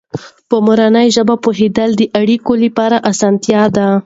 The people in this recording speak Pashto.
په مورنۍ ژبه پوهېدل د اړیکو لپاره اسانتیا ده.